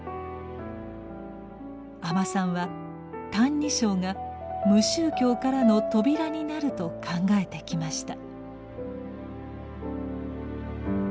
阿満さんは「歎異抄」が無宗教からの扉になると考えてきました。